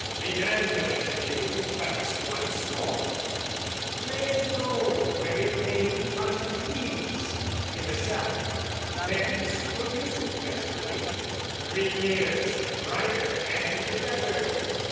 Remand the residue to flask once more, Lay it low where it may deposit lees, I' the cellar: thence produce it presently, Three years the brighter and the better!